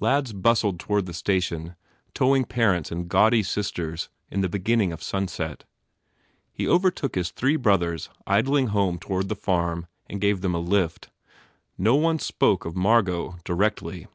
Lads bustled toward the station towing parents and gaudy sisters in the beginning of sunset. He overtook his three brothers idling home toward the farm and gave them a lift. No one spoke of Margot directly.